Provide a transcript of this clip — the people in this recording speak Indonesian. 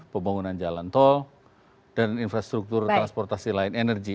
pembangunan jalan tol dan infrastruktur transportasi lain energi